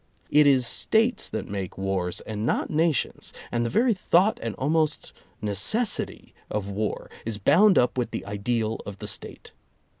It is States, that make wars and not nations, and the very thought and almost necessity of war is bound up with the ideal of the State.